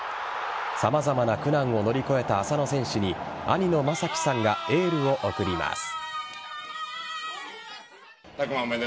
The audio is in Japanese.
様々な苦難を乗り越えた浅野選手に兄の将輝さんがエールを送ります。